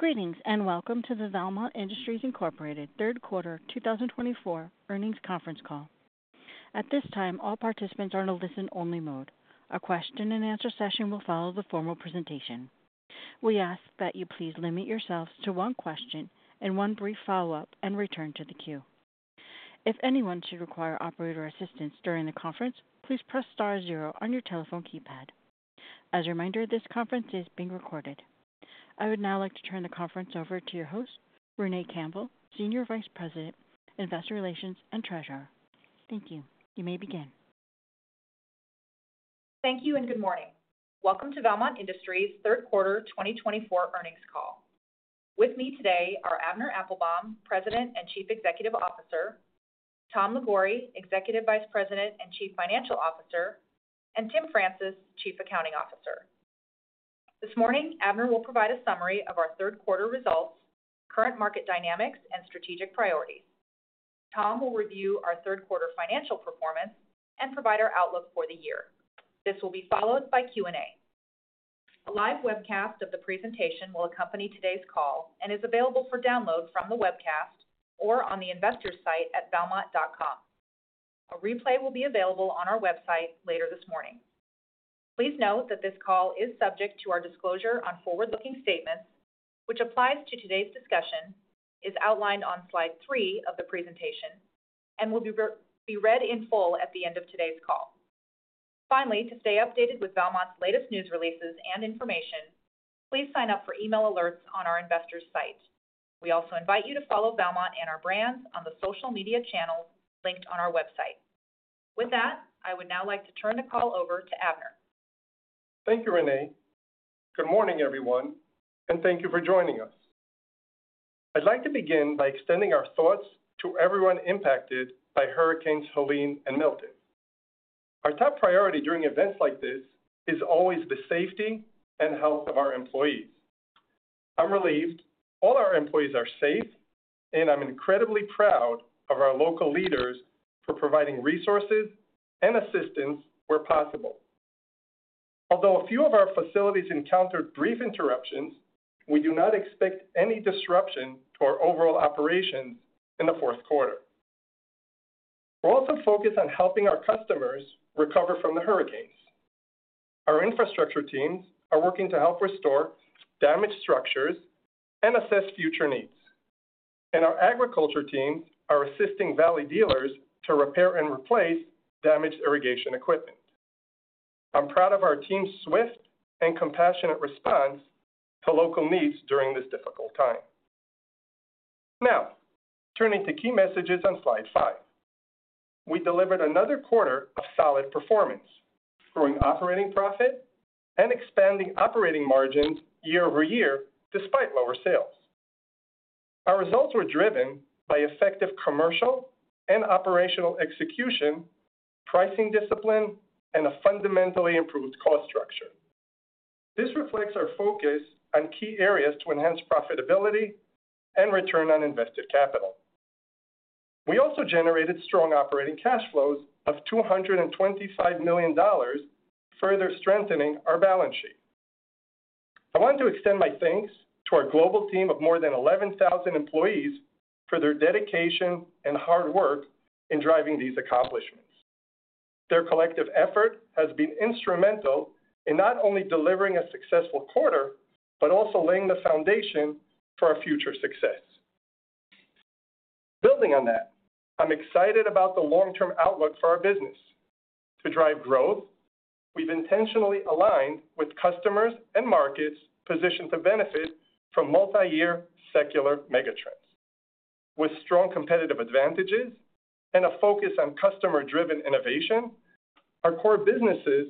Greetings, and welcome to the Valmont Industries Incorporated Third Quarter 2024 Earnings Conference Call. At this time, all participants are in a listen-only mode. A question and answer session will follow the formal presentation. We ask that you please limit yourselves to one question and one brief follow-up, and return to the queue. If anyone should require operator assistance during the conference, please press star zero on your telephone keypad. As a reminder, this conference is being recorded. I would now like to turn the conference over to your host, Renee Campbell, Senior Vice President, Investor Relations and Treasurer. Thank you. You may begin. Thank you and good morning. Welcome to Valmont Industries' Third Quarter 2024 Earnings Call. With me today are Avner Applbaum, President and Chief Executive Officer, Tom Liguori, Executive Vice President and Chief Financial Officer, and Tim Francis, Chief Accounting Officer. This morning, Avner will provide a summary of our third quarter results, current market dynamics, and strategic priorities. Tom will review our third quarter financial performance and provide our outlook for the year. This will be followed by Q and A. A live webcast of the presentation will accompany today's call and is available for download from the webcast or on the investor site at valmont.com. A replay will be available on our website later this morning. Please note that this call is subject to our disclosure on forward-looking statements, which applies to today's discussion, is outlined on Slide 3 of the presentation, and will be read in full at the end of today's call. Finally, to stay updated with Valmont's latest news releases and information, please sign up for email alerts on our investors site. We also invite you to follow Valmont and our brands on the social media channels linked on our website. With that, I would now like to turn the call over to Avner. Thank you, Renee. Good morning, everyone, and thank you for joining us. I'd like to begin by extending our thoughts to everyone impacted by Hurricanes Helene and Milton. Our top priority during events like this is always the safety and health of our employees. I'm relieved all our employees are safe, and I'm incredibly proud of our local leaders for providing resources and assistance where possible. Although a few of our facilities encountered brief interruptions, we do not expect any disruption to our overall operations in the fourth quarter. We're also focused on helping our customers recover from the hurricanes. Our infrastructure teams are working to help restore damaged structures and assess future needs, and our agriculture teams are assisting Valley dealers to repair and replace damaged irrigation equipment. I'm proud of our team's swift and compassionate response to local needs during this difficult time. Now, turning to key messages on Slide 5. We delivered another quarter of solid performance, growing operating profit and expanding operating margins year over year, despite lower sales. Our results were driven by effective commercial and operational execution, pricing discipline, and a fundamentally improved cost structure. This reflects our focus on key areas to enhance profitability and return on invested capital. We also generated strong operating cash flows of $225 million, further strengthening our balance sheet. I want to extend my thanks to our global team of more than 11,000 employees for their dedication and hard work in driving these accomplishments. Their collective effort has been instrumental in not only delivering a successful quarter, but also laying the foundation for our future success. Building on that, I'm excited about the long-term outlook for our business. To drive growth, we've intentionally aligned with customers and markets positioned to benefit from multi-year secular megatrends. With strong competitive advantages and a focus on customer-driven innovation, our core businesses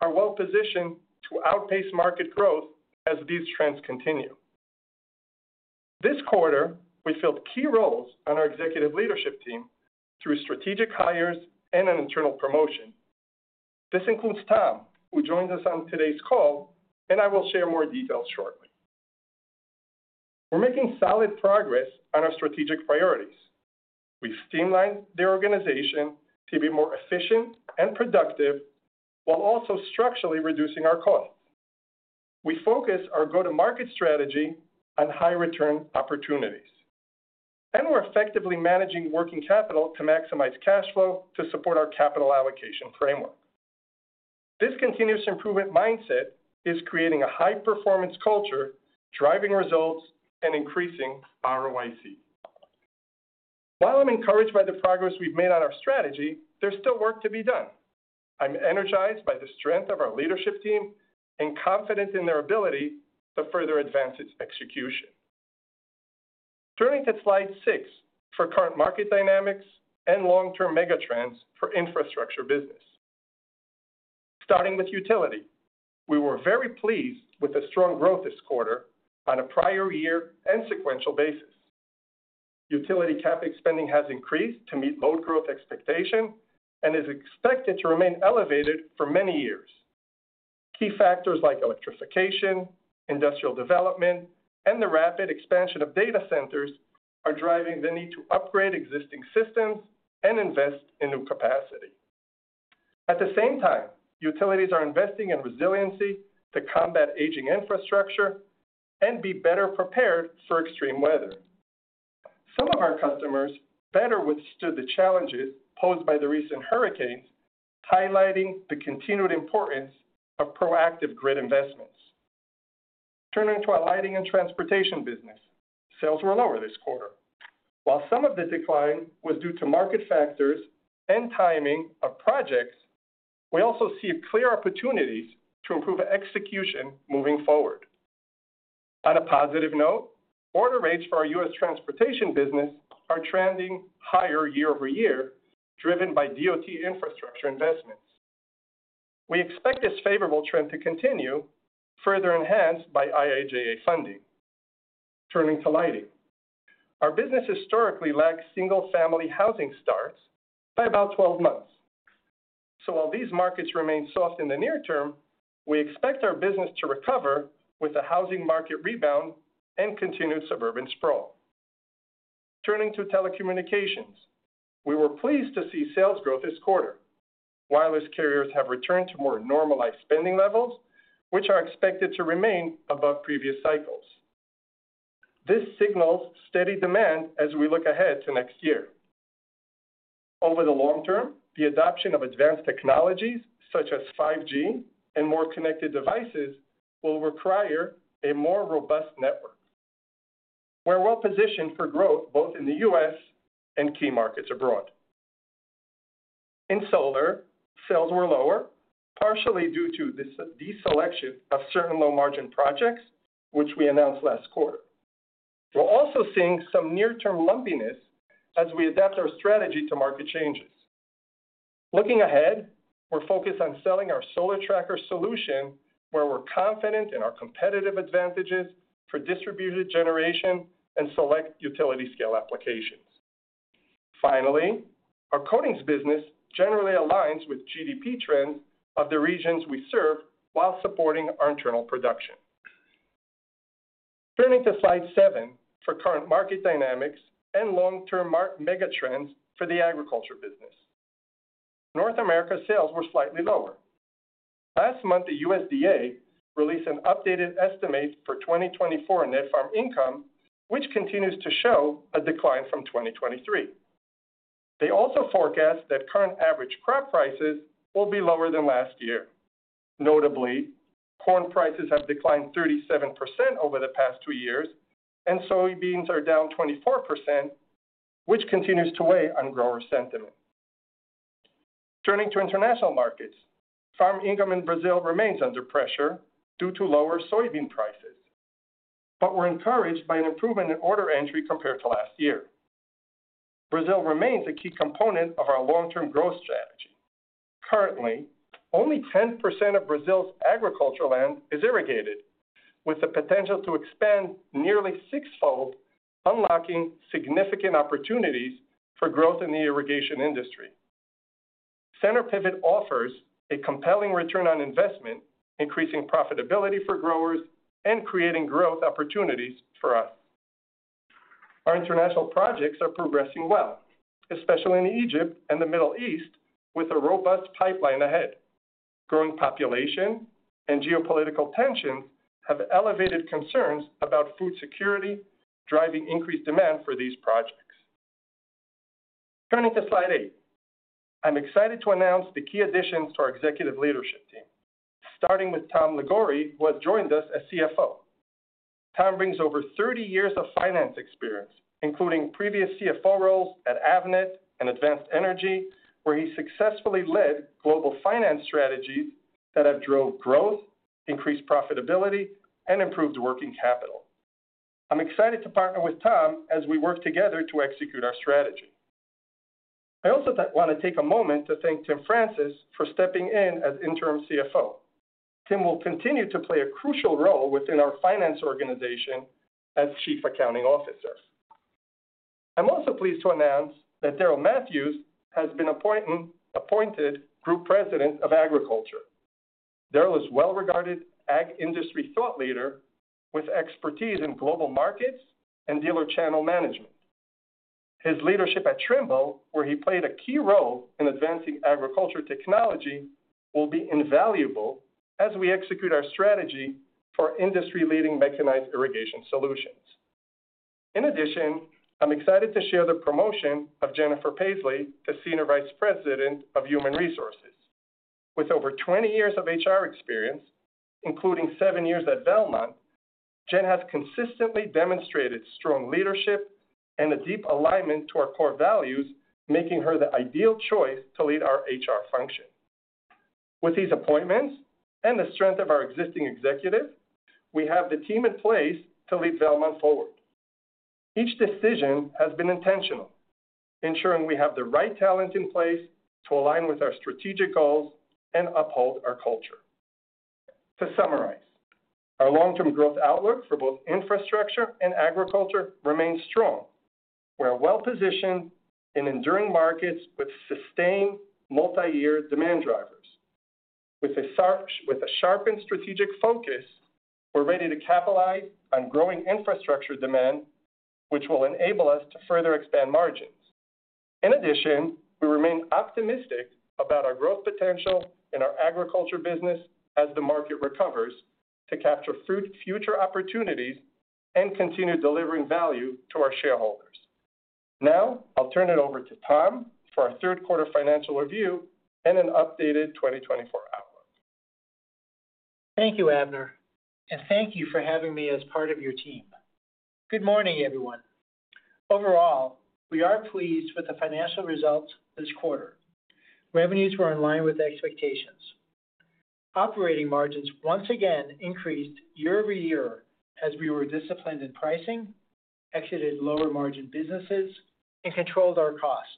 are well positioned to outpace market growth as these trends continue. This quarter, we filled key roles on our executive leadership team through strategic hires and an internal promotion. This includes Tom, who joins us on today's call, and I will share more details shortly. We're making solid progress on our strategic priorities. We've streamlined the organization to be more efficient and productive while also structurally reducing our costs. We focus our go-to-market strategy on high-return opportunities, and we're effectively managing working capital to maximize cash flow to support our capital allocation framework. This continuous improvement mindset is creating a high-performance culture, driving results and increasing ROIC. While I'm encouraged by the progress we've made on our strategy, there's still work to be done. I'm energized by the strength of our leadership team and confident in their ability to further advance its execution. Turning to Slide 6 for current market dynamics and long-term megatrends for infrastructure business. Starting with utility, we were very pleased with the strong growth this quarter on a prior year and sequential basis. Utility CapEx spending has increased to meet load growth expectation and is expected to remain elevated for many years. Key factors like electrification, industrial development, and the rapid expansion of data centers are driving the need to upgrade existing systems and invest in new capacity. At the same time, utilities are investing in resiliency to combat aging infrastructure and be better prepared for extreme weather. Some of our customers better withstood the challenges posed by the recent hurricanes, highlighting the continued importance of proactive grid investments. Turning to our lighting and transportation business. Sales were lower this quarter. While some of the decline was due to market factors and timing of projects, we also see clear opportunities to improve execution moving forward. On a positive note, order rates for our U.S. transportation business are trending higher year over year, driven by DOT infrastructure investments. We expect this favorable trend to continue, further enhanced by IIJA funding. Turning to lighting. Our business historically lags single-family housing starts by about 12 months, so while these markets remain soft in the near term, we expect our business to recover with the housing market rebound and continued suburban sprawl. Turning to telecommunications. We were pleased to see sales growth this quarter. Wireless carriers have returned to more normalized spending levels, which are expected to remain above previous cycles. This signals steady demand as we look ahead to next year. Over the long term, the adoption of advanced technologies, such as 5G and more connected devices, will require a more robust network. We're well-positioned for growth, both in the U.S. and key markets abroad. In solar, sales were lower, partially due to the deselection of certain low-margin projects, which we announced last quarter. We're also seeing some near-term lumpiness as we adapt our strategy to market changes. Looking ahead, we're focused on selling our solar tracker solution, where we're confident in our competitive advantages for distributed generation and select utility scale applications. Finally, our coatings business generally aligns with GDP trends of the regions we serve while supporting our internal production. Turning to Slide 7 for current market dynamics and long-term mega trends for the agriculture business. North America sales were slightly lower. Last month, the USDA released an updated estimate for 2024 net farm income, which continues to show a decline from 2023. They also forecast that current average crop prices will be lower than last year. Notably, corn prices have declined 37% over the past two years, and soybeans are down 24%, which continues to weigh on grower sentiment. Turning to international markets. Farm income in Brazil remains under pressure due to lower soybean prices, but we're encouraged by an improvement in order entry compared to last year. Brazil remains a key component of our long-term growth strategy. Currently, only 10% of Brazil's agricultural land is irrigated, with the potential to expand nearly sixfold, unlocking significant opportunities for growth in the irrigation industry. Center pivot offers a compelling return on investment, increasing profitability for growers and creating growth opportunities for us. Our international projects are progressing well, especially in Egypt and the Middle East, with a robust pipeline ahead. Growing population and geopolitical tensions have elevated concerns about food security, driving increased demand for these projects. Turning to Slide 8. I'm excited to announce the key additions to our executive leadership team, starting with Tom Liguori, who has joined us as CFO. Tom brings over thirty years of finance experience, including previous CFO roles at Avnet and Advanced Energy, where he successfully led global finance strategies that have drove growth, increased profitability, and improved working capital. I'm excited to partner with Tom as we work together to execute our strategy. I also want to take a moment to thank Tim Francis for stepping in as interim CFO. Tim will continue to play a crucial role within our finance organization as Chief Accounting Officer. I'm also pleased to announce that Daryl Matthews has been appointed Group President of Agriculture. Daryl is a well-regarded ag industry thought leader with expertise in global markets and dealer channel management. His leadership at Trimble, where he played a key role in advancing agriculture technology, will be invaluable as we execute our strategy for industry-leading mechanized irrigation solutions. In addition, I'm excited to share the promotion of Jennifer Paisley to Senior Vice President of Human Resources. With over twenty years of HR experience, including seven years at Valmont, Jen has consistently demonstrated strong leadership and a deep alignment to our core values, making her the ideal choice to lead our HR function. With these appointments and the strength of our existing executives, we have the team in place to lead Valmont forward. Each decision has been intentional, ensuring we have the right talent in place to align with our strategic goals and uphold our culture. To summarize, our long-term growth outlook for both infrastructure and agriculture remains strong. We're well-positioned in enduring markets with sustained multi-year demand drivers. With a sharpened strategic focus, we're ready to capitalize on growing infrastructure demand, which will enable us to further expand margins. In addition, we remain optimistic about our growth potential in our agriculture business as the market recovers, to capture future opportunities and continue delivering value to our shareholders. Now, I'll turn it over to Tom for our third quarter financial review and an updated 2024 outlook. Thank you, Avner, and thank you for having me as part of your team. Good morning, everyone. Overall, we are pleased with the financial results this quarter. Revenues were in line with expectations. Operating margins once again increased year over year as we were disciplined in pricing, exited lower margin businesses, and controlled our cost.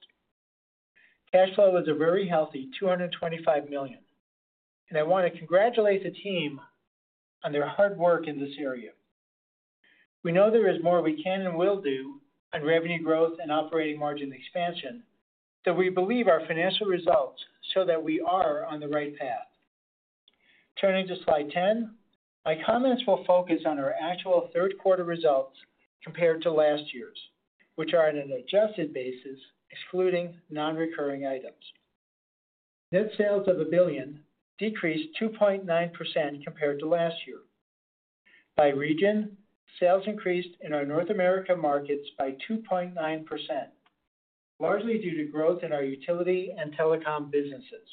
Cash flow was a very healthy $225 million, and I want to congratulate the team on their hard work in this area. We know there is more we can and will do on revenue growth and operating margin expansion, so we believe our financial results show that we are on the right path. Turning to Slide 10. My comments will focus on our actual third quarter results compared to last year's, which are on an adjusted basis, excluding non-recurring items. Net sales of $1 billion decreased 2.9% compared to last year. By region, sales increased in our North America markets by 2.9%, largely due to growth in our utility and telecom businesses.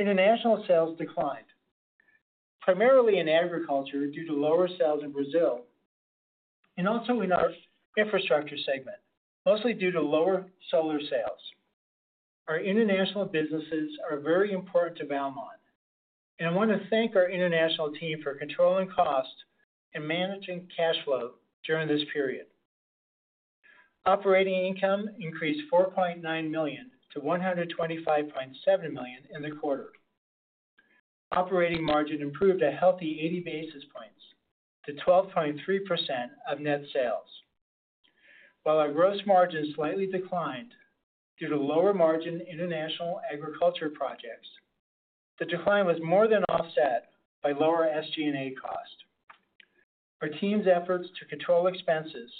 International sales declined, primarily in agriculture, due to lower sales in Brazil, and also in our infrastructure segment, mostly due to lower solar sales. Our international businesses are very important to Valmont, and I want to thank our international team for controlling costs and managing cash flow during this period. Operating income increased $4.9 million to $125.7 million in the quarter. Operating margin improved a healthy 80 basis points to 12.3% of net sales. While our gross margin slightly declined due to lower margin international agriculture projects, the decline was more than offset by lower SG&A costs. Our team's efforts to control expenses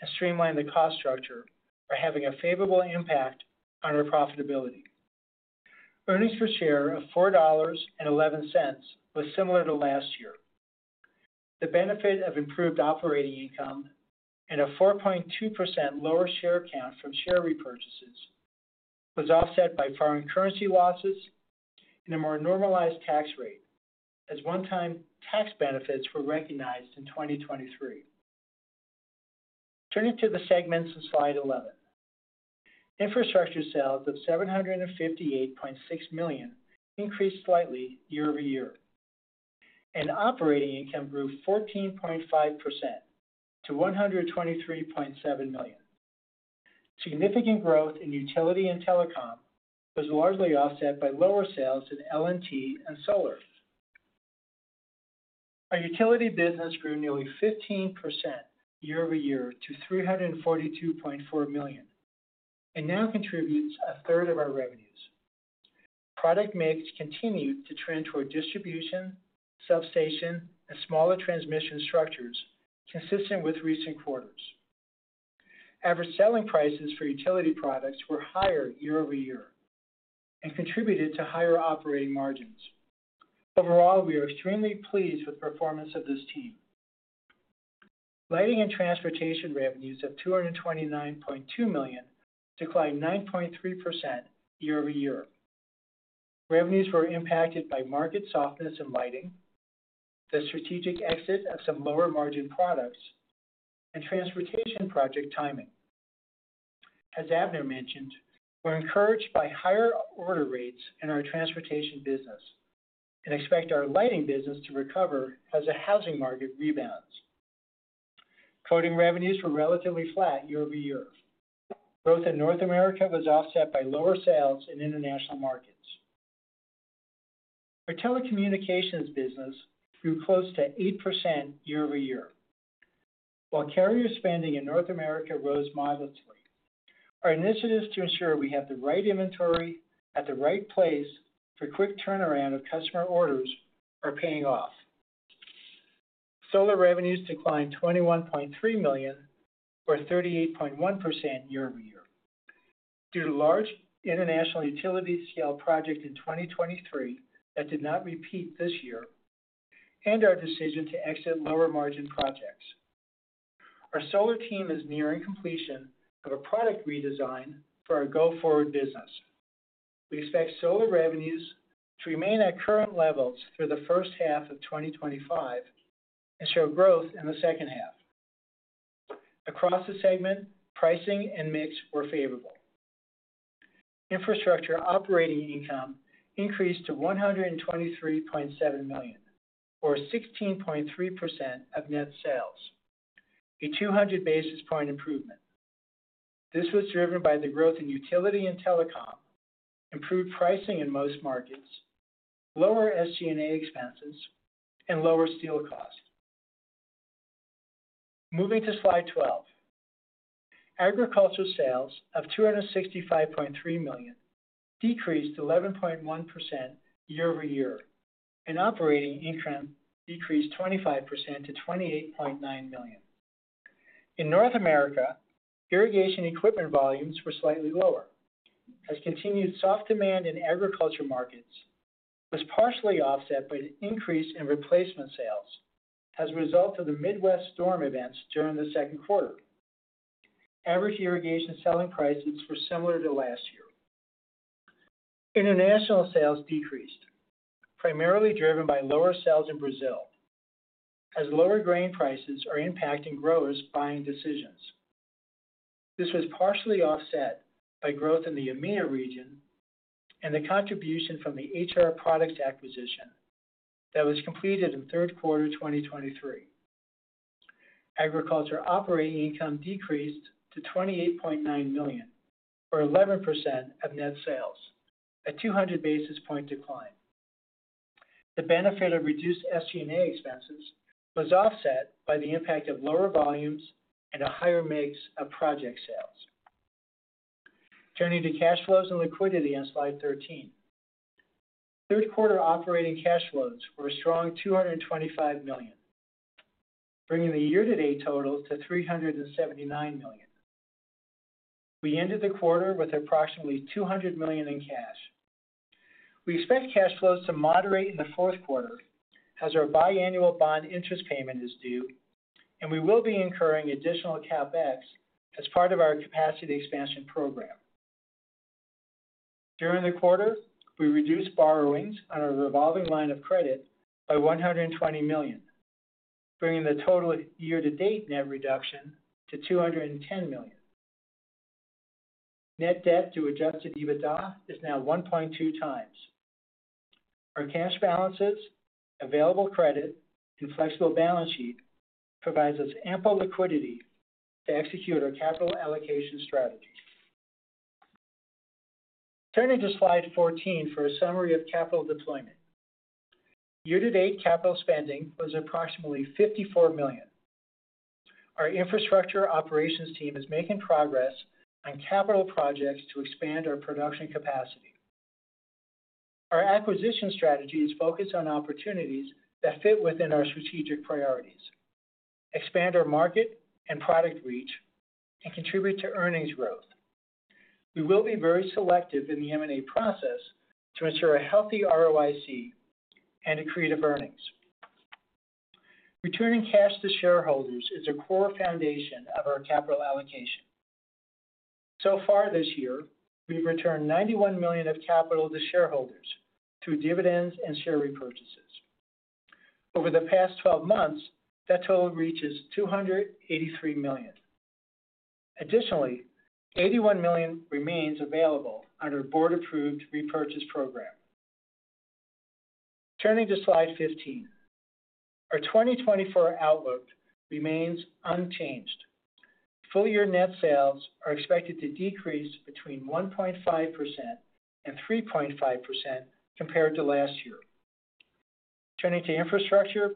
and streamline the cost structure are having a favorable impact on our profitability. Earnings per share of $4.11 was similar to last year. The benefit of improved operating income and a 4.2% lower share count from share repurchases was offset by foreign currency losses and a more normalized tax rate, as one-time tax benefits were recognized in 2023. Turning to the segments in Slide 11. Infrastructure sales of $758.6 million increased slightly year over year, and operating income grew 14.5% to $123.7 million. Significant growth in utility and telecom was largely offset by lower sales in L&T and solar. Our utility business grew nearly 15% year over year to $342.4 million, and now contributes a third of our revenues. Product mix continued to trend toward distribution, substation, and smaller transmission structures, consistent with recent quarters. Average selling prices for utility products were higher year over year and contributed to higher operating margins. Overall, we are extremely pleased with the performance of this team. Lighting and transportation revenues of $229.2 million declined 9.3% year over year. Revenues were impacted by market softness in lighting, the strategic exit of some lower-margin products, and transportation project timing. As Avner mentioned, we're encouraged by higher order rates in our transportation business and expect our lighting business to recover as the housing market rebounds. Coatings revenues were relatively flat year over year. Growth in North America was offset by lower sales in international markets. Our telecommunications business grew close to 8% year over year. While carrier spending in North America rose modestly, our initiatives to ensure we have the right inventory at the right place for quick turnaround of customer orders are paying off. Solar revenues declined $21.3 million, or 38.1% year over year, due to large international utility-scale project in 2023 that did not repeat this year, and our decision to exit lower-margin projects. Our solar team is nearing completion of a product redesign for our go-forward business. We expect solar revenues to remain at current levels through the first half of 2025 and show growth in the second half. Across the segment, pricing and mix were favorable. Infrastructure operating income increased to $123.7 million, or 16.3% of net sales, a 200 basis point improvement. This was driven by the growth in utility and telecom, improved pricing in most markets, lower SG&A expenses, and lower steel costs. Moving to Slide 12. Agricultural sales of $265.3 million decreased 11.1% year over year, and operating income decreased 25% to $28.9 million. In North America, irrigation equipment volumes were slightly lower, as continued soft demand in agriculture markets was partially offset by an increase in replacement sales as a result of the Midwest storm events during the second quarter. Average irrigation selling prices were similar to last year. International sales decreased, primarily driven by lower sales in Brazil, as lower grain prices are impacting growers' buying decisions. This was partially offset by growth in the EMEA region and the contribution from the HR Products acquisition that was completed in third quarter 2023. Agriculture operating income decreased to $28.9 million, or 11% of net sales, a 200 basis point decline. The benefit of reduced SG&A expenses was offset by the impact of lower volumes and a higher mix of project sales. Turning to cash flows and liquidity on Slide 13. Third quarter operating cash flows were a strong $225 million, bringing the year-to-date total to $379 million. We ended the quarter with approximately $200 million in cash. We expect cash flows to moderate in the fourth quarter as our biannual bond interest payment is due, and we will be incurring additional CapEx as part of our capacity expansion program. During the quarter, we reduced borrowings on our revolving line of credit by $120 million, bringing the total year-to-date net reduction to $210 million. Net debt to Adjusted EBITDA is now 1.2 times. Our cash balances, available credit, and flexible balance sheet provides us ample liquidity to execute our capital allocation strategy. Turning to Slide 14 for a summary of capital deployment. Year-to-date capital spending was approximately $54 million. Our infrastructure operations team is making progress on capital projects to expand our production capacity. Our acquisition strategy is focused on opportunities that fit within our strategic priorities, expand our market and product reach, and contribute to earnings growth. We will be very selective in the M&A process to ensure a healthy ROIC and accretive earnings. Returning cash to shareholders is a core foundation of our capital allocation. So far this year, we've returned $91 million of capital to shareholders through dividends and share repurchases. Over the past 12 months, that total reaches $283 million. Additionally, $81 million remains available under our board-approved repurchase program. Turning to Slide 15. Our 2024 outlook remains unchanged. Full-year net sales are expected to decrease between 1.5% and 3.5% compared to last year. Turning to infrastructure,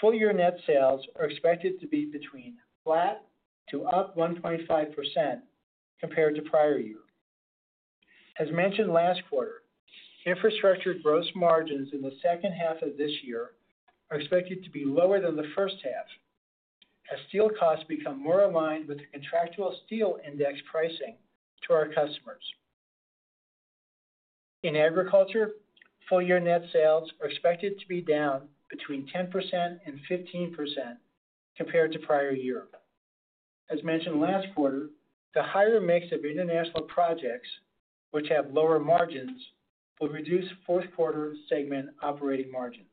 full-year net sales are expected to be between flat to up 1.5% compared to prior year. As mentioned last quarter, infrastructure gross margins in the second half of this year are expected to be lower than the first half, as steel costs become more aligned with the contractual steel index pricing to our customers. In agriculture, full-year net sales are expected to be down between 10% and 15% compared to prior year. As mentioned last quarter, the higher mix of international projects, which have lower margins, will reduce fourth quarter segment operating margins.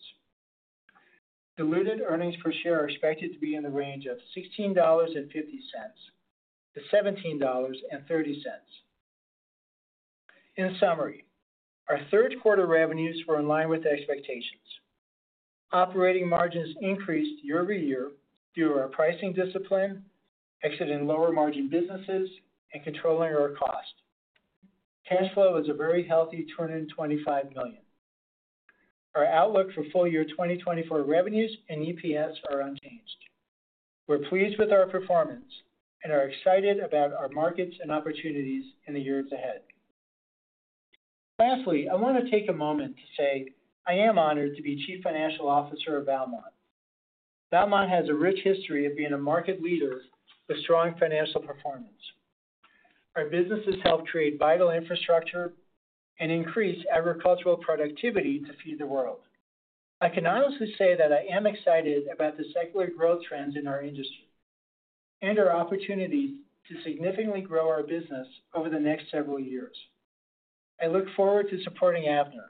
Diluted earnings per share are expected to be in the range of $16.50 to $17.30. In summary, our third quarter revenues were in line with expectations. Operating margins increased year over year due to our pricing discipline, exiting lower margin businesses, and controlling our cost. Cash flow is a very healthy $225 million. Our outlook for full-year 2024 revenues and EPS are unchanged. We're pleased with our performance and are excited about our markets and opportunities in the years ahead. Lastly, I want to take a moment to say I am honored to be Chief Financial Officer of Valmont. Valmont has a rich history of being a market leader with strong financial performance. Our businesses help create vital infrastructure and increase agricultural productivity to feed the world. I can honestly say that I am excited about the secular growth trends in our industry and our opportunity to significantly grow our business over the next several years. I look forward to supporting Avner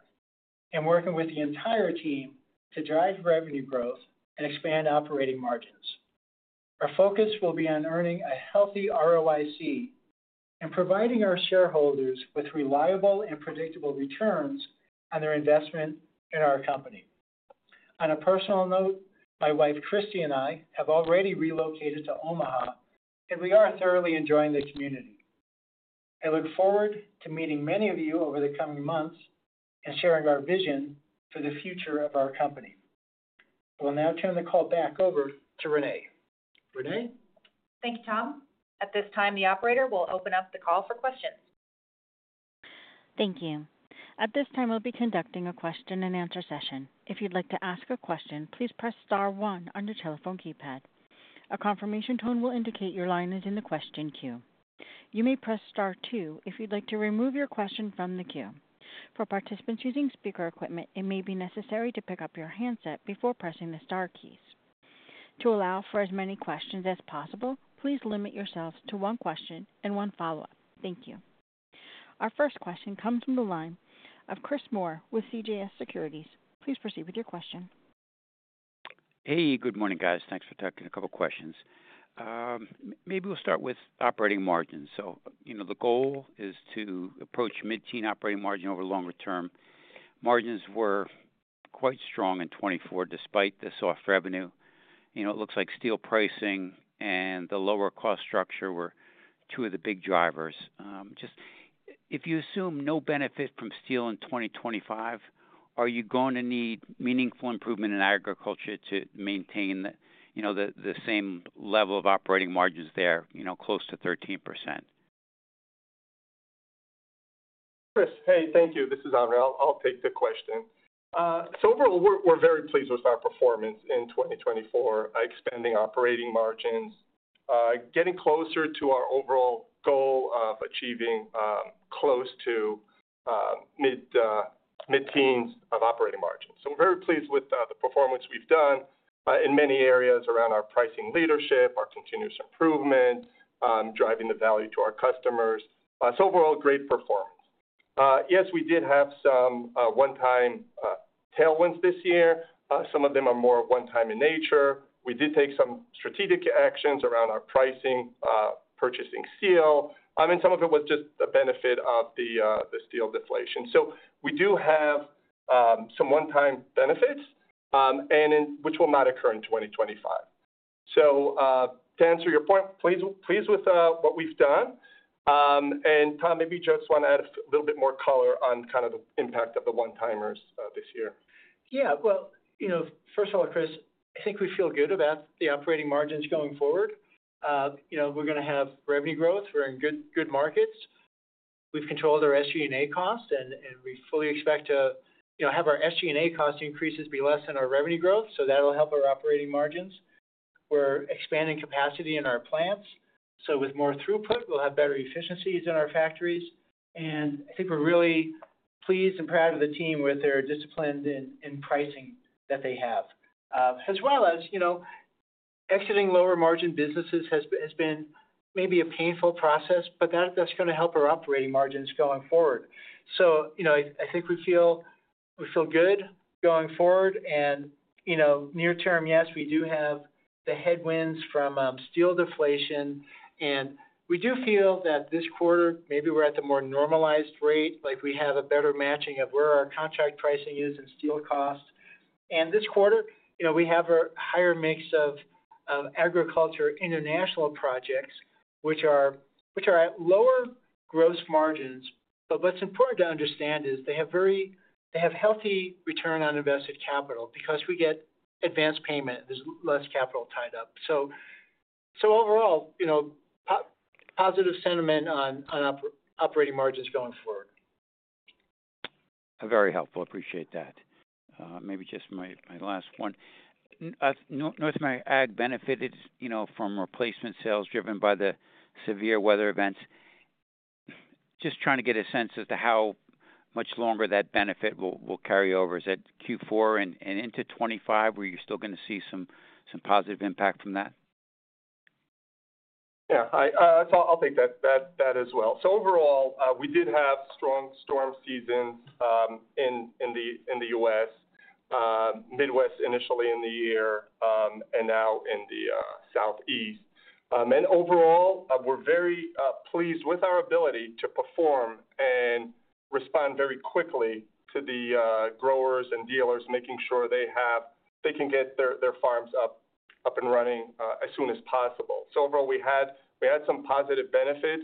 and working with the entire team to drive revenue growth and expand operating margins. Our focus will be on earning a healthy ROIC and providing our shareholders with reliable and predictable returns on their investment in our company. On a personal note, my wife, Christy, and I have already relocated to Omaha, and we are thoroughly enjoying the community. I look forward to meeting many of you over the coming months and sharing our vision for the future of our company. I will now turn the call back over to Renee. Renee? Thank you, Tom. At this time, the operator will open up the call for questions. Thank you. At this time, we'll be conducting a question and answer session. If you'd like to ask a question, please press star one on your telephone keypad. A confirmation tone will indicate your line is in the question queue. You may press star two if you'd like to remove your question from the queue. For participants using speaker equipment, it may be necessary to pick up your handset before pressing the star keys. To allow for as many questions as possible, please limit yourselves to one question and one follow-up. Thank you. Our first question comes from the line of Chris Moore with CJS Securities. Please proceed with your question. Hey, good morning, guys. Thanks for taking a couple questions. Maybe we'll start with operating margins. So, you know, the goal is to approach mid-teen operating margin over longer term. Margins were quite strong in 2024, despite the soft revenue. You know, it looks like steel pricing and the lower cost structure were two of the big drivers. Just if you assume no benefit from steel in 2025, are you going to need meaningful improvement in agriculture to maintain the, you know, the, the same level of operating margins there, you know, close to 13%? Chris, hey, thank you. This is Avner. I'll take the question. So overall, we're very pleased with our performance in 2024, expanding operating margins, getting closer to our overall goal of achieving close to mid-teens of operating margins. So we're very pleased with the performance we've done in many areas around our pricing leadership, our continuous improvement, driving the value to our customers. So overall, great performance. Yes, we did have some one-time tailwinds this year. Some of them are more one-time in nature. We did take some strategic actions around our pricing, purchasing steel, and some of it was just the benefit of the steel deflation. So we do have some one-time benefits, and in which will not occur in 2025. So, to answer your point, pleased with what we've done. And, Tom, maybe you just wanna add a little bit more color on kind of the impact of the one-timers this year. Yeah, well, you know, first of all, Chris, I think we feel good about the operating margins going forward. You know, we're gonna have revenue growth. We're in good, good markets. We've controlled our SG&A costs, and, and we fully expect to, you know, have our SG&A cost increases be less than our revenue growth, so that'll help our operating margins. We're expanding capacity in our plants, so with more throughput, we'll have better efficiencies in our factories. And I think we're really pleased and proud of the team with their discipline in, in pricing that they have. As well as, you know, exiting lower-margin businesses has been maybe a painful process, but that, that's gonna help our operating margins going forward. So, you know, I think we feel good going forward and, you know, near term, yes, we do have the headwinds from steel deflation, and we do feel that this quarter, maybe we're at the more normalized rate, like we have a better matching of where our contract pricing is and steel costs. This quarter, you know, we have a higher mix of agriculture international projects, which are at lower gross margins. What's important to understand is they have very healthy return on invested capital. Because we get advanced payment, there's less capital tied up. Overall, you know, positive sentiment on operating margins going forward. Very helpful. Appreciate that. Maybe just my last one. North American Ag benefited, you know, from replacement sales driven by the severe weather events. Just trying to get a sense as to how much longer that benefit will carry over. Is that Q4 and into '25, where you're still gonna see some positive impact from that? Yeah, I'll take that as well. So overall, we did have strong storm seasons in the U.S. Midwest initially in the year and now in the Southeast, and overall, we're very pleased with our ability to perform and respond very quickly to the growers and dealers, making sure they can get their farms up and running as soon as possible. So overall, we had some positive benefits.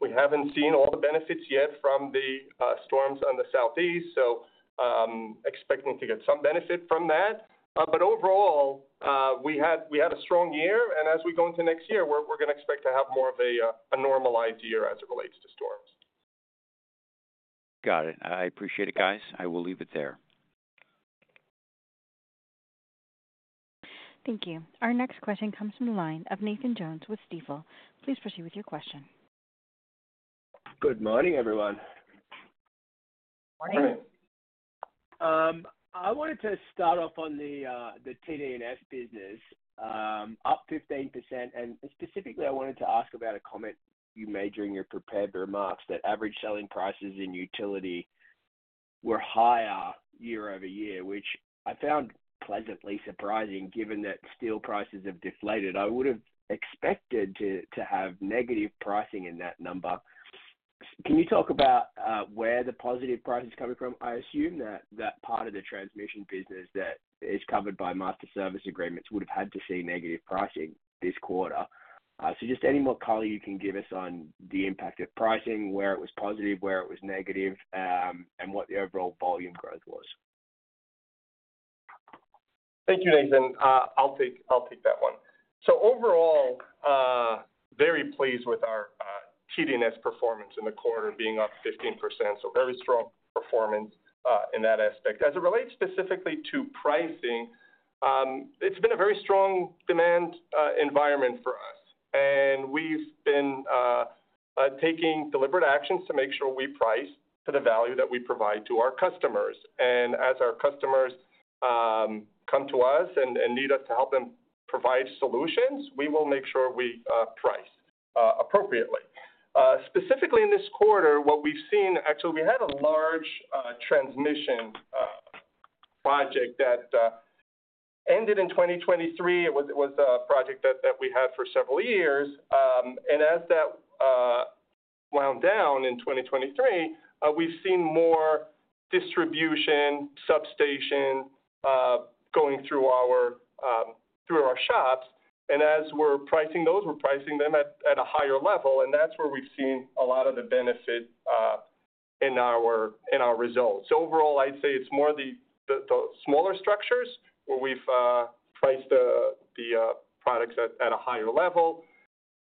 We haven't seen all the benefits yet from the storms on the Southeast, so expecting to get some benefit from that. But overall, we had a strong year, and as we go into next year, we're gonna expect to have more of a normalized year as it relates to storms. Got it. I appreciate it, guys. I will leave it there. Thank you. Our next question comes from the line of Nathan Jones with Stifel. Please proceed with your question. Good morning, everyone. Morning. Morning. I wanted to start off on the TD&S business, up 15%, and specifically, I wanted to ask about a comment you made during your prepared remarks, that average selling prices in utility were higher year over year, which I found pleasantly surprising, given that steel prices have deflated. I would've expected to have negative pricing in that number. Can you talk about where the positive price is coming from? I assume that part of the transmission business that is covered by master service agreements would have had to see negative pricing this quarter. So just any more color you can give us on the impact of pricing, where it was positive, where it was negative, and what the overall volume growth was. Thank you, Nathan. I'll take that one. So overall, very pleased with our TD&S performance in the quarter, being up 15%. Very strong performance in that aspect. As it relates specifically to pricing, it's been a very strong demand environment for us, and we've been taking deliberate actions to make sure we price to the value that we provide to our customers. As our customers come to us and need us to help them provide solutions, we will make sure we price appropriately. Specifically in this quarter, what we've seen. Actually, we had a large transmission project that ended in 2023. It was a project that we had for several years. And as that wound down in 2023, we've seen more distribution, substation going through our shops, and as we're pricing those, we're pricing them at a higher level, and that's where we've seen a lot of the benefit in our results. Overall, I'd say it's more the smaller structures where we've priced the products at a higher level.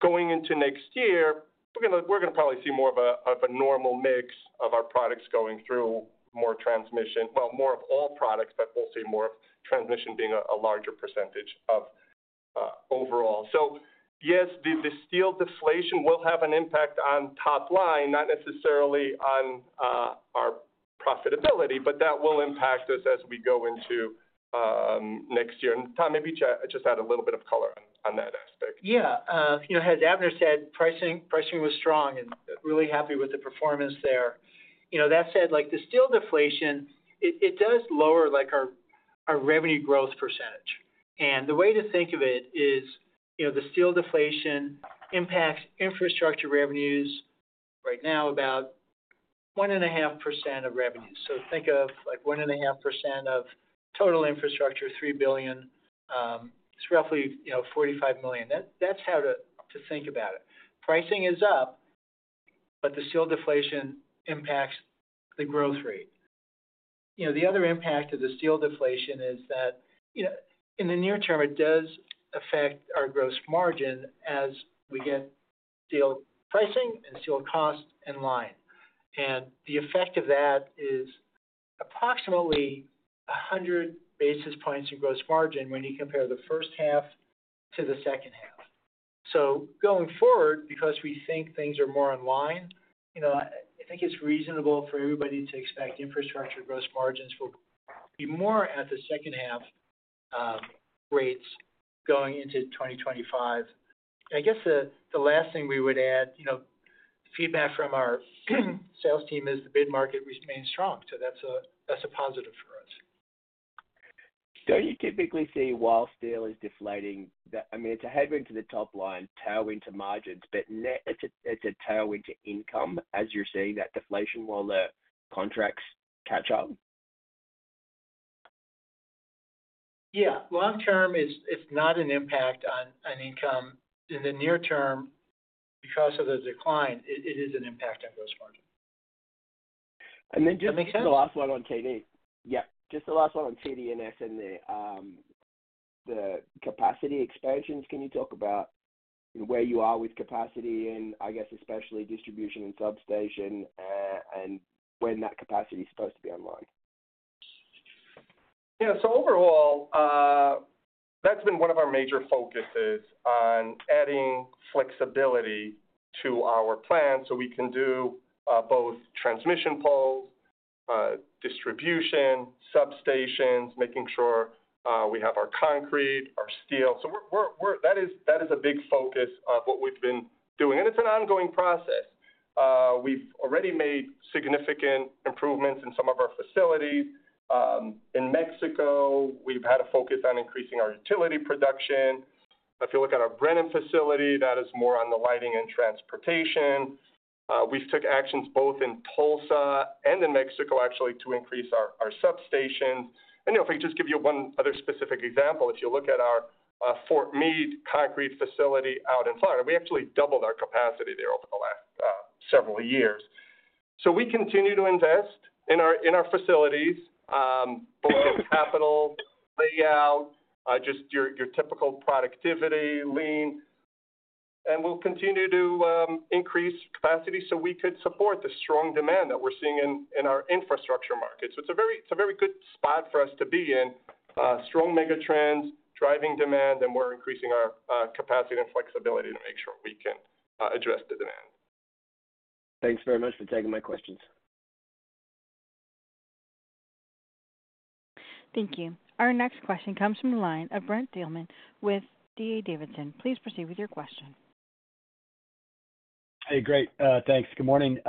Going into next year, we're gonna probably see more of a normal mix of our products going through more transmission, well, more of all products, but we'll see more of transmission being a larger percentage of overall. So yes, the steel deflation will have an impact on top line, not necessarily on our profitability, but that will impact us as we go into next year. And, Tom, maybe just add a little bit of color on, on that aspect. Yeah, you know, as Avner said, pricing, pricing was strong and really happy with the performance there. You know, that said, like, the steel deflation, it does lower, like, our revenue growth percentage. And the way to think of it is, you know, the steel deflation impacts infrastructure revenues right now about 1.5% of revenues. So think of, like, 1.5% of total infrastructure, $3 billion, it's roughly, you know, $45 million. That's how to think about it. Pricing is up, but the steel deflation impacts the growth rate. You know, the other impact of the steel deflation is that, you know, in the near term, it does affect our gross margin as we get steel pricing and steel costs in line. The effect of that is approximately 100 basis points in gross margin when you compare the first half to the second half. Going forward, because we think things are more in line, you know, I think it's reasonable for everybody to expect infrastructure gross margins will be more at the second half rates going into 2025. I guess the last thing we would add, you know, feedback from our sales team is the bid market remains strong, so that's a positive for us. Don't you typically see, while steel is deflating, that, I mean, it's a headwind to the top line, tailwind to margins, but net it's a, it's a tailwind to income as you're seeing that deflation while the contracts catch up? Yeah. Long term, it's not an impact on income. In the near term, because of the decline, it is an impact on gross margin. And then just- That make sense? The last one on T&D. Yeah, just the last one on T&D's and the capacity expansions. Can you talk about where you are with capacity and I guess especially distribution and substation, and when that capacity is supposed to be online? Yeah. So overall, that's been one of our major focuses on adding flexibility to our plan so we can do both transmission poles, distribution, substations, making sure we have our concrete, our steel. So we're, that is a big focus of what we've been doing, and it's an ongoing process. We've already made significant improvements in some of our facilities. In Mexico, we've had a focus on increasing our utility production. If you look at our Brenham facility, that is more on the lighting and transportation. We've took actions both in Tulsa and in Mexico, actually, to increase our substations. You know, if I could just give you one other specific example, if you look at our Fort Meade concrete facility out in Florida, we actually doubled our capacity there over the last several years. So we continue to invest in our facilities, capital, layout, just your typical productivity, lean. And we'll continue to increase capacity so we could support the strong demand that we're seeing in our infrastructure markets. So it's a very good spot for us to be in. Strong megatrends driving demand, and we're increasing our capacity and flexibility to make sure we can address the demand. Thanks very much for taking my questions. Thank you. Our next question comes from the line of Brent Thielman with D.A. Davidson. Please proceed with your question. Hey, great. Thanks. Good morning.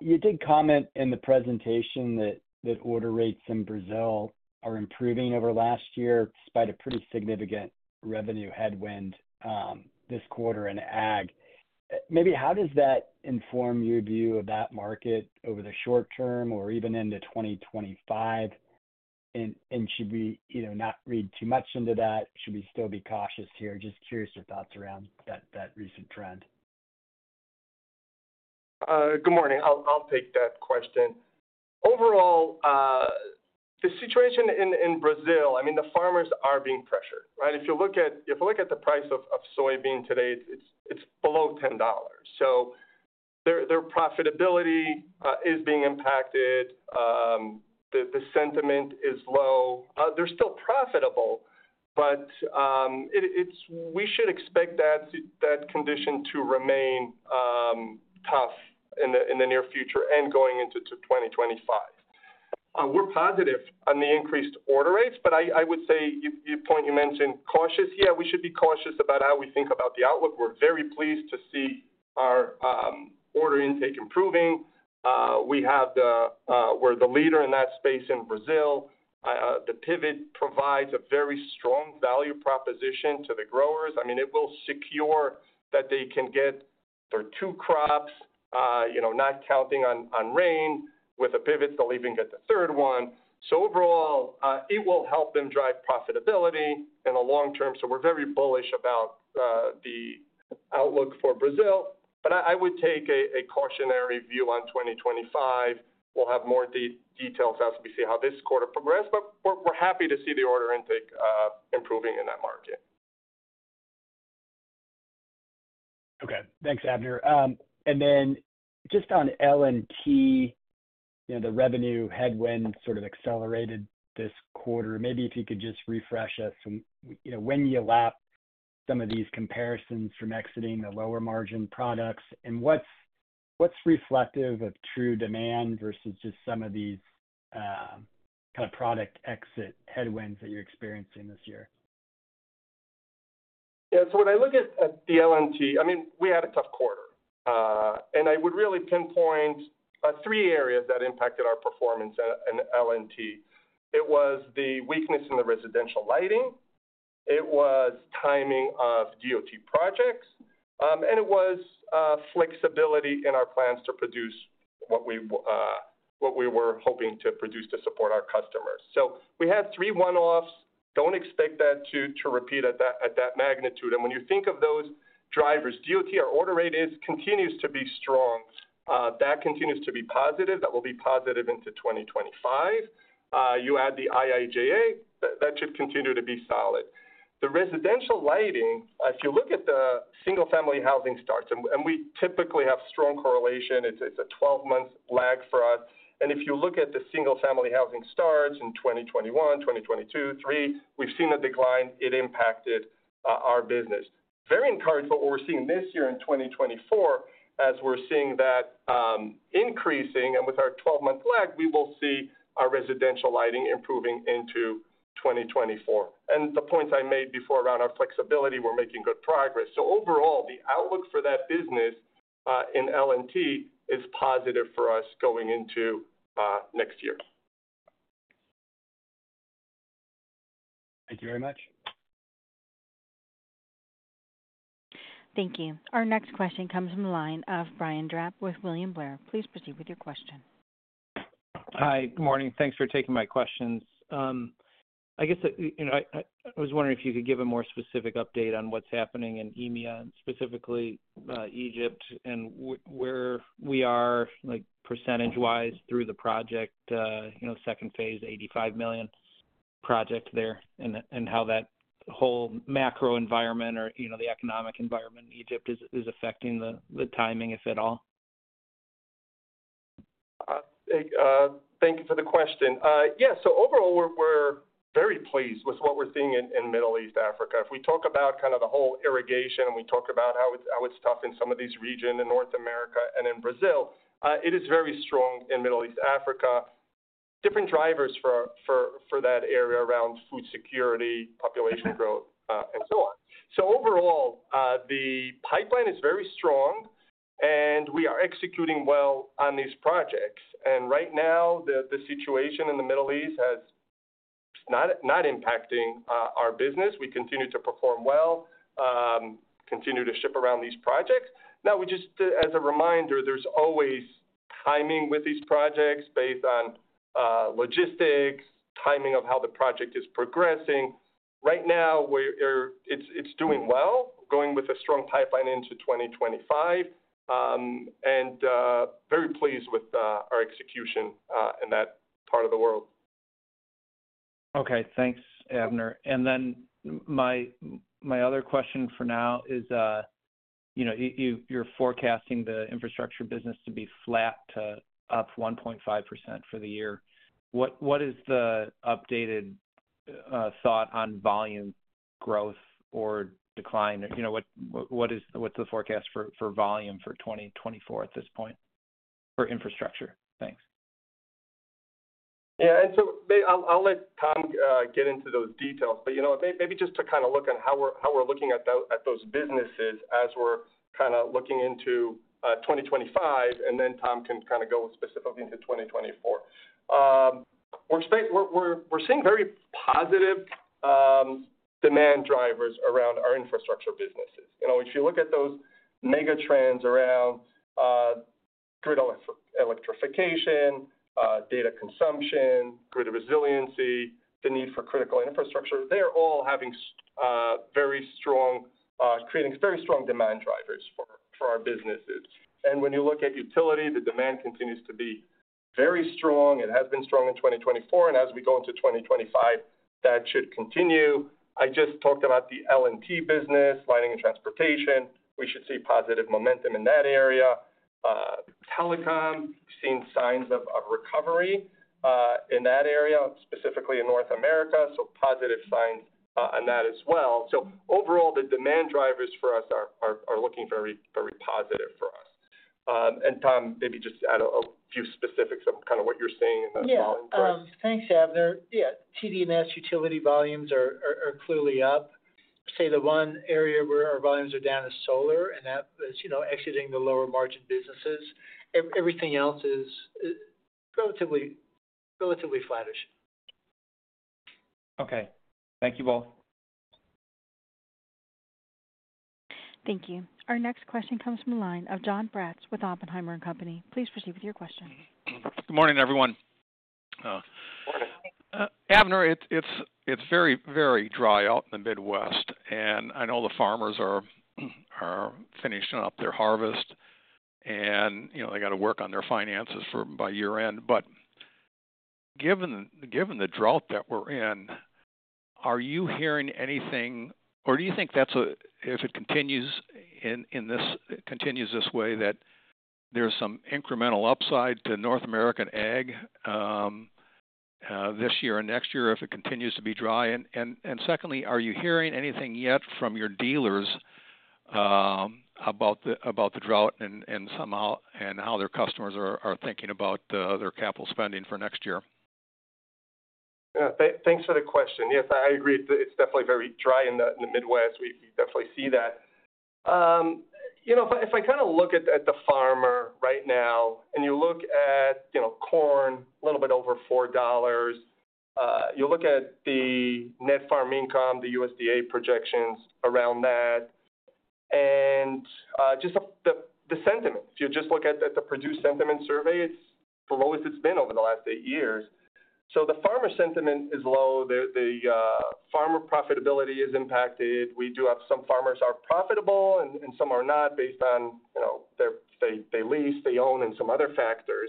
You did comment in the presentation that order rates in Brazil are improving over last year, despite a pretty significant revenue headwind this quarter in Ag. Maybe how does that inform your view of that market over the short term or even into 2025, and should we, you know, not read too much into that? Should we still be cautious here? Just curious your thoughts around that recent trend. Good morning. I'll take that question. Overall, the situation in Brazil, I mean, the farmers are being pressured, right? If you look at the price of soybean today, it's below $10. So their profitability is being impacted. The sentiment is low. They're still profitable, but it's. We should expect that condition to remain tough in the near future and going into 2025. We're positive on the increased order rates, but I would say, your point, you mentioned cautious. Yeah, we should be cautious about how we think about the outlook. We're very pleased to see our order intake improving. We're the leader in that space in Brazil. The pivot provides a very strong value proposition to the growers. I mean, it will secure that they can get their two crops, you know, not counting on rain. With the pivot, they'll even get the third one. So overall, it will help them drive profitability in the long term. So we're very bullish about the outlook for Brazil. But I would take a cautionary view on 2025. We'll have more details as we see how this quarter progressed, but we're happy to see the order intake improving in that market. Okay, thanks, Avner. And then just on L&T, you know, the revenue headwind sort of accelerated this quarter. Maybe if you could just refresh us from, you know, when you lap some of these comparisons from exiting the lower margin products, and what's reflective of true demand versus just some of these, kind of product exit headwinds that you're experiencing this year? Yeah, so when I look at the L&T, I mean, we had a tough quarter. I would really pinpoint three areas that impacted our performance in L&T. It was the weakness in the residential lighting, it was timing of DOT projects, and it was flexibility in our plans to produce what we were hoping to produce to support our customers. We had three one-offs. Don't expect that to repeat at that magnitude. When you think of those drivers, DOT, our order rate continues to be strong. That continues to be positive. That will be positive into 2025. You add the IIJA, that should continue to be solid. The residential lighting, if you look at the single-family housing starts, and we typically have strong correlation, it's a 12 month lag for us. And if you look at the single-family housing starts in 2021, 2022, 2023, we've seen a decline. It impacted our business. Very encouraged by what we're seeing this year in 2024, as we're seeing that increasing, and with our 12 month lag, we will see our residential lighting improving into 2024. And the points I made before around our flexibility, we're making good progress. So overall, the outlook for that business in L&T is positive for us going into next year. Thank you very much. Thank you. Our next question comes from the line of Brian Drab with William Blair. Please proceed with your question. Hi, good morning. Thanks for taking my questions. I guess, you know, I was wondering if you could give a more specific update on what's happening in EMEA, and specifically, Egypt, and where we are, like, percentage-wise through the project, you know, second phase, $85 million project there, and how that whole macro environment or, you know, the economic environment in Egypt is affecting the timing, if at all? Thank you for the question. Yeah, so overall, we're very pleased with what we're seeing in the Middle East and Africa. If we talk about kind of the whole irrigation, and we talk about how it's tough in some of these regions, in North America and in Brazil, it is very strong in the Middle East and Africa. Different drivers for that area around food security, population growth, and so on. So overall, the pipeline is very strong, and we are executing well on these projects. Right now, the situation in the Middle East has not impacting our business. We continue to perform well, continue to ship around these projects. Now, we just, as a reminder, there's always timing with these projects based on logistics, timing of how the project is progressing. Right now, it's doing well, going with a strong pipeline into 2025, and very pleased with our execution in that part of the world. Okay. Thanks, Avner. And then my other question for now is, you know, you, you're forecasting the infrastructure business to be flat to up 1.5% for the year. What is the updated thought on volume growth or decline? You know, what is the forecast for volume for 2024 at this point, for infrastructure? Thanks. Yeah, and so I'll let Tom get into those details, but you know, maybe just to kind of look at how we're looking at those businesses as we're kind of looking into 2025, and then Tom can kind of go specifically into 2024. We're seeing very positive demand drivers around our infrastructure businesses. You know, if you look at those megatrends around grid electrification, data consumption, grid resiliency, the need for critical infrastructure. They're all having very strong, creating very strong demand drivers for our businesses. When you look at utility, the demand continues to be very strong. It has been strong in 2024, and as we go into 2025, that should continue. I just talked about the L&T business, lighting and transportation. We should see positive momentum in that area. Telecom, seeing signs of recovery in that area, specifically in North America, so positive signs on that as well. So overall, the demand drivers for us are looking very positive for us. And Tom, maybe just add a few specifics of kind of what you're seeing in that model. Yeah. Thanks, Avner. Yeah, TD&S utility volumes are clearly up. Say the one area where our volumes are down is solar, and that is, you know, exiting the lower margin businesses. Everything else is relatively flattish. Okay. Thank you both. Thank you. Our next question comes from the line of Jon Braatz with Oppenheimer & Co. Please proceed with your question. Good morning, everyone. Morning. Avner, it's very dry out in the Midwest, and I know the farmers are finishing up their harvest and, you know, they gotta work on their finances for by year end. But given the drought that we're in, are you hearing anything, or do you think that if it continues this way, that there's some incremental upside to North American Ag this year and next year if it continues to be dry? And secondly, are you hearing anything yet from your dealers about the drought and how their customers are thinking about their capital spending for next year? Yeah, thanks for the question. Yes, I agree. It's definitely very dry in the Midwest. We definitely see that. You know, if I kinda look at the farmer right now, and you look at corn, a little bit over $4, you look at the net farm income, the USDA projections around that, and just the sentiment. If you just look at the producer sentiment survey, it's the lowest it's been over the last eight years. So the farmer sentiment is low. The farmer profitability is impacted. We do have some farmers are profitable and some are not based on, you know, they lease, they own, and some other factors.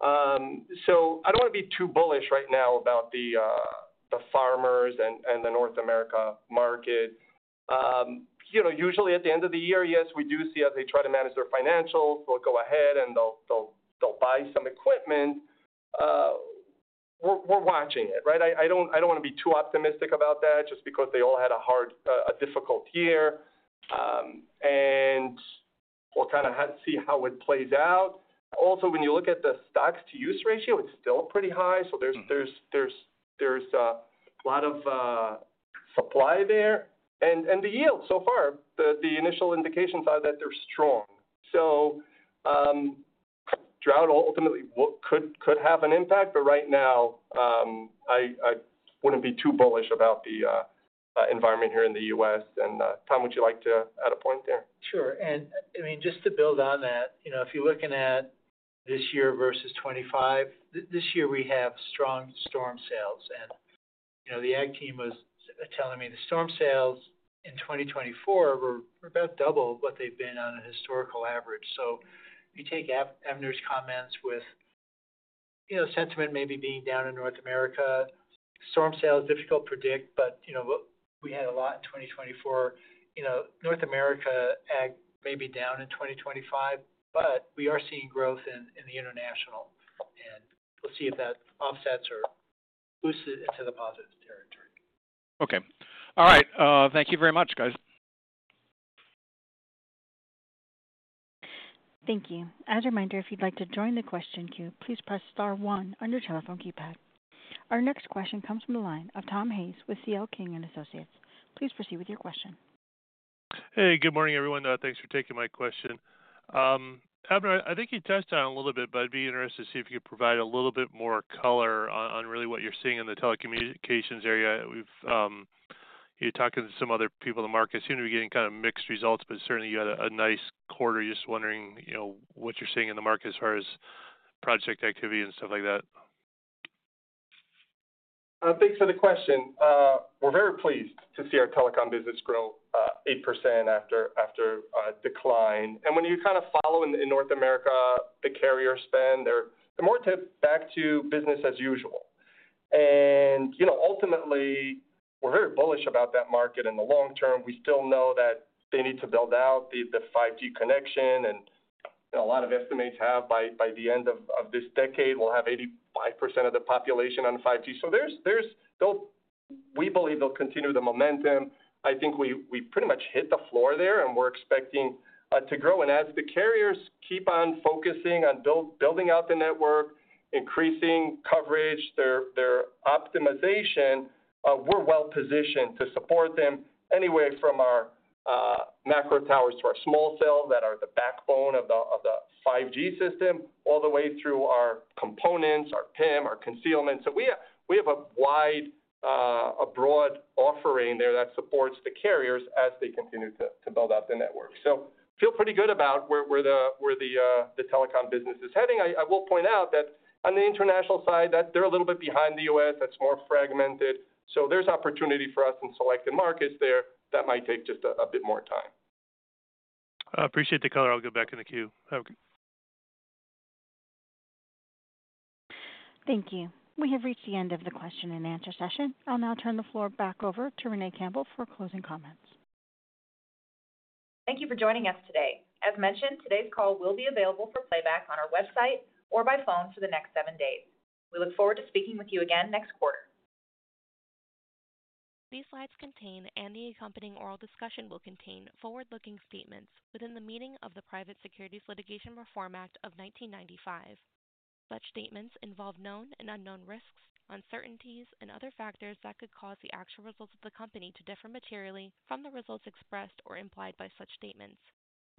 So I don't want to be too bullish right now about the farmers and the North America market. You know, usually at the end of the year, yes, we do see as they try to manage their financials, they'll go ahead, and they'll buy some equipment. We're watching it, right? I don't want to be too optimistic about that just because they all had a hard, a difficult year. And we'll kinda have to see how it plays out. Also, when you look at the stocks-to-use ratio, it's still pretty high. So there's a lot of supply there. And the yield so far, the initial indications are that they're strong. So drought ultimately could have an impact, but right now, I wouldn't be too bullish about the environment here in the U.S. And Tom, would you like to add a point there? Sure. And, I mean, just to build on that, you know, if you're looking at this year versus 2025, this year, we have strong storm sales. And, you know, the Ag team was telling me the storm sales in 2024 were about double what they've been on a historical average. So if you take Avner's comments with, you know, sentiment maybe being down in North America, storm sales difficult to predict, but, you know, we had a lot in 2024. You know, North America Ag may be down in 2025, but we are seeing growth in the international, and we'll see if that offsets or boosts it into the positive territory. Okay. All right, thank you very much, guys. Thank you. As a reminder, if you'd like to join the question queue, please press star one on your telephone keypad. Our next question comes from the line of Tom Hayes with CL King & Associates. Please proceed with your question. Hey, good morning, everyone. Thanks for taking my question. Avner, I think you touched on it a little bit, but I'd be interested to see if you could provide a little bit more color on, on really what you're seeing in the telecommunications area. We've, you're talking to some other people in the market, seem to be getting kind of mixed results, but certainly you had a nice quarter. Just wondering, you know, what you're seeing in the market as far as project activity and stuff like that. Thanks for the question. We're very pleased to see our telecom business grow 8% after decline. And when you kind of follow it in North America, the carrier spend, they're tipping back to business as usual. And, you know, ultimately, we're very bullish about that market in the long term. We still know that they need to build out the 5G connection, and a lot of estimates have by the end of this decade we'll have 85% of the population on 5G. So there's we believe they'll continue the momentum. I think we pretty much hit the floor there, and we're expecting to grow. As the carriers keep on focusing on building out the network, increasing coverage, their optimization, we're well positioned to support them anywhere from our macro towers to our small cells that are the backbone of the 5G system, all the way through our components, our PIM, our concealment. So we have a wide, a broad offering there that supports the carriers as they continue to build out the network. So feel pretty good about where the telecom business is heading. I will point out that on the international side, that they're a little bit behind the U.S., that's more fragmented, so there's opportunity for us in selected markets there. That might take just a bit more time. I appreciate the color. I'll go back in the queue. Okay. Thank you. We have reached the end of the question and answer session. I'll now turn the floor back over to Renee Campbell for closing comments. Thank you for joining us today. As mentioned, today's call will be available for playback on our website or by phone for the next seven days. We look forward to speaking with you again next quarter. These slides contain, and the accompanying oral discussion will contain, forward-looking statements within the meaning of the Private Securities Litigation Reform Act of 1995. Such statements involve known and unknown risks, uncertainties, and other factors that could cause the actual results of the company to differ materially from the results expressed or implied by such statements,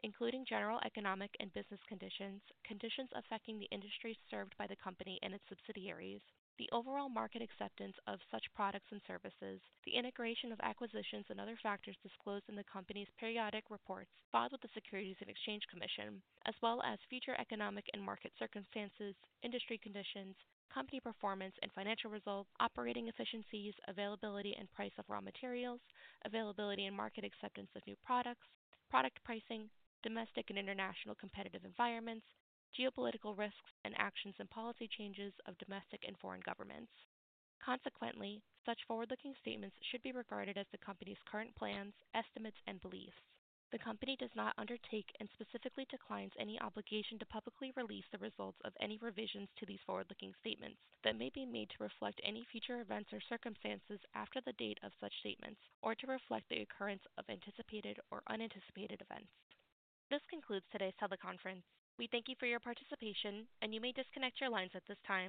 including general economic and business conditions, conditions affecting the industry served by the company and its subsidiaries, the overall market acceptance of such products and services, the integration of acquisitions, and other factors disclosed in the company's periodic reports filed with the Securities and Exchange Commission, as well as future economic and market circumstances, industry conditions, company performance and financial results, operating efficiencies, availability and price of raw materials, availability and market acceptance of new products, product pricing, domestic and international competitive environments, geopolitical risks, and actions and policy changes of domestic and foreign governments. Consequently, such forward-looking statements should be regarded as the company's current plans, estimates, and beliefs. The company does not undertake and specifically declines any obligation to publicly release the results of any revisions to these forward-looking statements that may be made to reflect any future events or circumstances after the date of such statements or to reflect the occurrence of anticipated or unanticipated events. This concludes today's teleconference. We thank you for your participation, and you may disconnect your lines at this time.